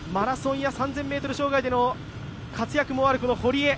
マラソンや３０００ｍ障害での活躍もある堀江。